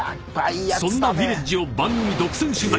［そんなヴィレッジを番組独占取材！］